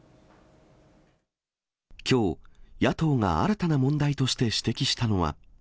きょう、野党が新たな問題として指摘したのは。